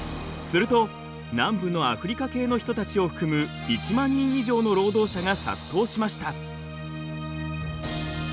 すると南部のアフリカ系の人たちを含む１万人以上の労働者が殺到しました。